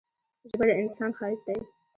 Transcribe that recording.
ژبه د انسان ښايست دی.